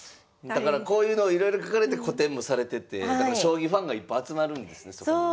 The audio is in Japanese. だからこういうのをいろいろ描かれて個展もされててだから将棋ファンがいっぱい集まるんですねそこに。